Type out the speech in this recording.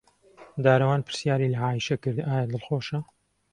دارەوان پرسیاری لە عایشە کرد ئایا دڵخۆشە.